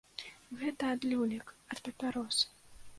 Гэта ад люлек, ад папярос.